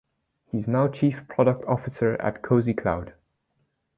He is now chief product officer at Cozy Cloud.